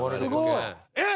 えっ！？